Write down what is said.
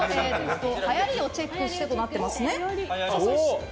はやりをチェックしてとなってます。